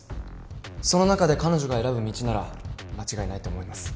その中で彼女が選ぶ道なら間違いないと思います。